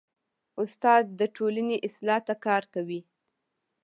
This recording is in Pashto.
استاد د ټولنې اصلاح ته کار کوي.